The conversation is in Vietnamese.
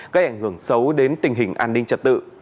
gây ảnh hưởng xấu đến tình hình an ninh trật tự